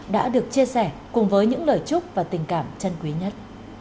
đã được chia sẻ cùng với những lời chúc và tình cảm chân quý nhất